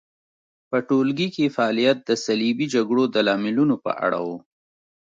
په ټولګي کې فعالیت د صلیبي جګړو د لاملونو په اړه و.